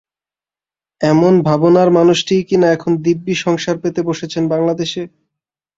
এমন ভাবনার মানুষটিই কিনা এখন দিব্যি সংসার পেতে বসেছেন বাংলাদেশে।